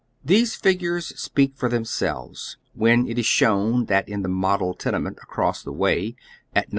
These fignres speak for themselves, when it is sliown that in the model tenement across the way at Nos.